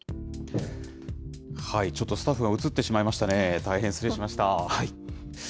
ちょっとスタッフが映ってしまいましたね、大変失礼しました。